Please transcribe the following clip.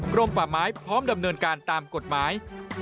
รมป่าไม้พร้อมดำเนินการตามกฎหมาย